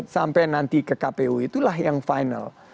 sampai nanti ke kpu itulah yang final